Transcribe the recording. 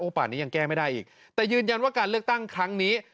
ป่านนี้ยังแก้ไม่ได้อีกแต่ยืนยันว่าการเลือกตั้งครั้งนี้